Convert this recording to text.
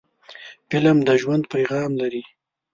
فلم د ژوند پیغام لري